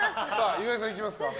岩井さん、いきますか。